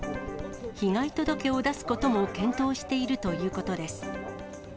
被害届を出すことも検討しているということです。